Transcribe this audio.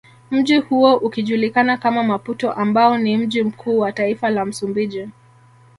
Mji huo ukijulikana kama Maputo ambao ni mji mkuu wa taifa la msumbiji